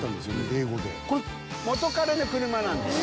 英語で元カレの車なんですよ